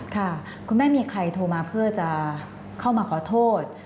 คุณแม่มีใครโทรมาเพื่อจะเข้ามาขอโทษ